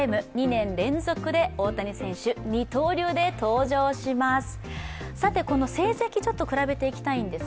２年連続で大谷選手、二刀流で登場します。